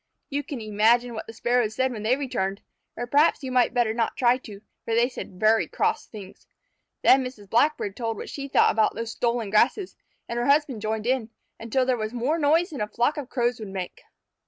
You can imagine what the Sparrows said when they returned. Or perhaps you might better not try to, for they said very cross things. Then Mrs. Blackbird told what she thought about those stolen grasses, and her husband joined in, until there was more noise than a flock of Crows would make.